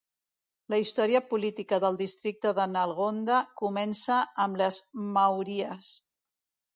La història política del districte de Nalgonda comença amb les Mauryas.